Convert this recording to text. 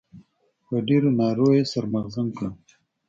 په ډېرو نارو يې سر مغزن کړم.